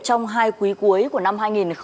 trong hai quý cuối của năm hai nghìn hai mươi